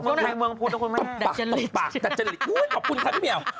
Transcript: ช่วงหน้าตกปากดัชนิดขอบคุณครับพี่เหมียว